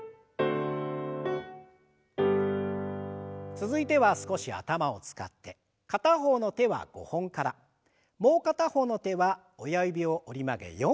続いては少し頭を使って片方の手は５本からもう片方の手は親指を折り曲げ４本から。